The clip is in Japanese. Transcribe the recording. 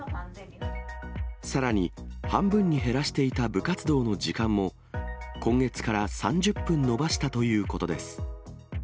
さらに半分に減らしていた部活動の時間も、今月から３０分延ばしたということです。